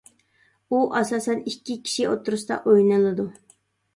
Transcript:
ئۇ ئاساسەن ئىككى كىشى ئوتتۇرىسىدا ئوينىلىدۇ.